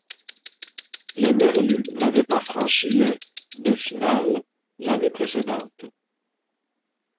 Les Merlus n'avaient pas franchi les de finale l'année précédente.